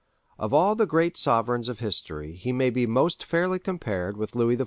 Of all the great sovereigns of history he may be most fairly compared with Louis XIV.